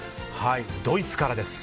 ドイツからです。